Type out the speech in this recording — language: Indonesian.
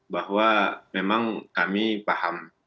bahwa memang kami paham